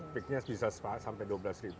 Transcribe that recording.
peaknya bisa sampai dua belas